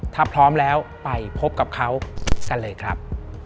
ถ้าพร้อมแล้วไปพบกับเขากันเลยครับ